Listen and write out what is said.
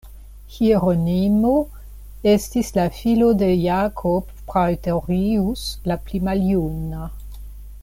Hieronimo estis la filo de Jacob Praetorius la pli maljuna.